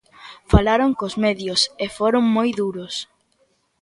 Falaron cos medios, e foron moi duros.